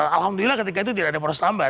alhamdulillah ketika itu tidak ada poros lambat